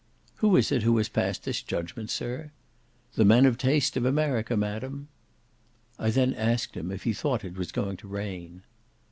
"Who is it who has passed this judgement, sir?" "The men of taste of America, madam." I then asked him, if he thought it was going to rain?